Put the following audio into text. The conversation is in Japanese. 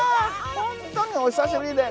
本当にお久しぶりで。